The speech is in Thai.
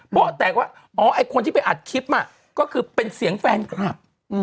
โต๊ะแตกว่าอ๋อไอ้คนที่ไปอัดคลิปมาก็คือเป็นเสียงแฟนคลับ